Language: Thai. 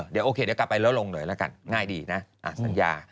เดี๋ยวโอเคเดี๋ยวกลับไปแล้วลงหน่อยแล้วกันง่ายดีนะสัญญา